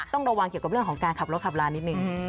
ต้องระวังเกี่ยวกับของการขับรถขับราลนิ้นนึง